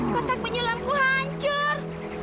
kotak penyulamku hancur